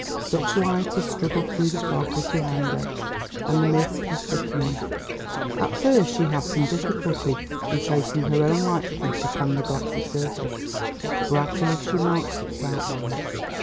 Such light as struggled through the fog was behind her, and the mist was thickening. At first she had some difficulty in tracing her own likeness upon the glassy surface, but gradually she marked its outline.